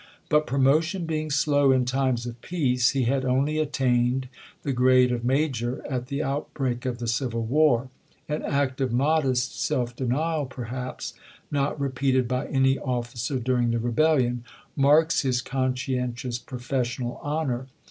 But promotion being slow in times of peace, he had only attained the grade of major at the outbreak of the civil war. An act of modest self denial, perhaps not repeated by any officer during the rebellion, marks his conscien tious professional honor.